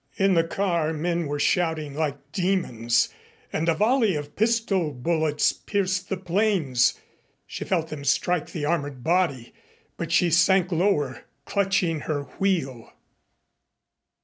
In the car men were shouting like demons, and a volley of pistol bullets pierced the planes. She felt them strike the armored body, but she sank lower, clutching her wheel.